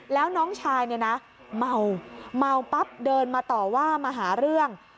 แล้วน้องชายเนี่ยนะเมาเมาปั๊บเดินมาต่อว่ามาหาเรื่อง